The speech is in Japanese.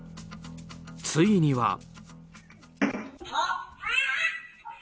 ついには。